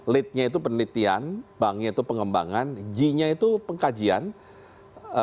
leadnya itu penelitian banknya itu pengembangan j nya itu pengkajian rab nya itu adalah penerapan